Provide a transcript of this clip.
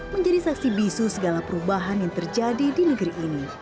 menjadi saksi bisu segala perubahan yang terjadi di negeri ini